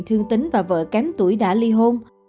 thương tính và vợ kém tuổi đã ly hôn